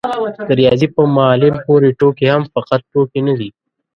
د رياضي په معلم پورې ټوکې هم فقط ټوکې نه دي.